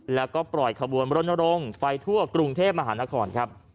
แล้วก็ปล่อยขบวนรณรงค์ไปทั่วกรุงเทพมหานครครับ